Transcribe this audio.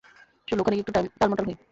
চলো, ওখানে গিয়ে একটু টালমাটাল হই!